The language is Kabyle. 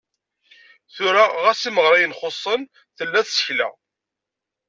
Tura ɣas imeɣriyen xuṣṣen, tella tsekla.